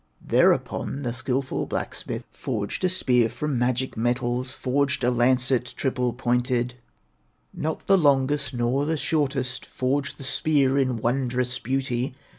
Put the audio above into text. Thereupon the skillful blacksmith Forged a spear from magic metals, Forged a lancet triple pointed, Not the longest, nor the shortest, Forged the spear in wondrous beauty.